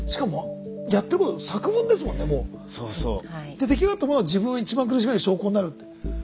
で出来上がったものが自分を一番苦しめる証拠になるって。